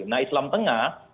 nah islam tengah